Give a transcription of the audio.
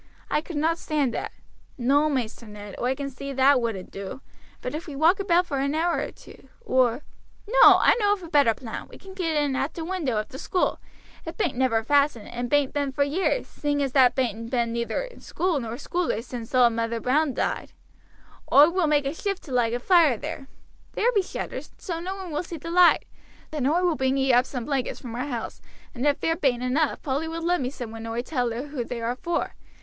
I could not stand that." "No, Maister Ned, oi can see that wouldn't do; but if we walk about for an hour or two, or no, I know of a better plan. We can get in at t' window of the school; it bain't never fastened, and bain't been for years, seeing as thar bain't been neither school nor schoolers since auld Mother Brown died. Oi will make a shift to light a fire there. There be shutters, so no one will see the light. Then oi will bring ee up some blankets from our house, and if there bain't enough Polly will lend me some when oi tell her who they are for.